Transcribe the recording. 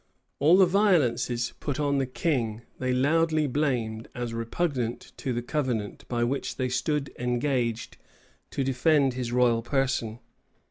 All the violences put on the king, they loudly blamed, as repugnant to the covenant by which they stood engaged to defend his royal person.